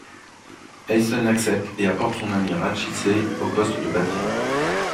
Eisen accepte et apporte son ami Racci Shay au poste de batterie.